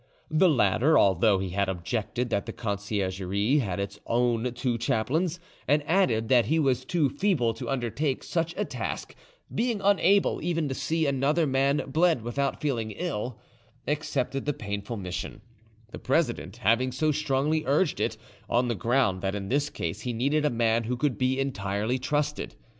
The latter, although he had objected that the Conciergerie had its own two chaplains, and added that he was too feeble to undertake such a task, being unable even to see another man bled without feeling ill, accepted the painful mission, the president having so strongly urged it, on the ground that in this case he needed a man who could be entirely trusted.